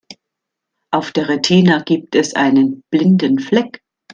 Auf der Retina gibt es einen blinden Fleck.